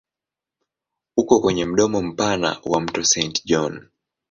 Uko kwenye mdomo mpana wa mto Saint John.